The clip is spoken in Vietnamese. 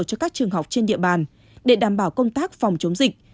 cho các trường học trên địa bàn để đảm bảo công tác phòng chống dịch